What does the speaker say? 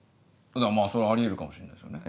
まぁそれはあり得るかもしれないですね。